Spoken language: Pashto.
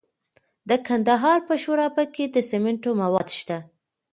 د کندهار په شورابک کې د سمنټو مواد شته.